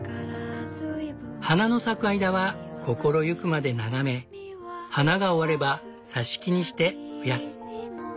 花の咲く間は心ゆくまで眺め花が終われば挿し木にして増やす。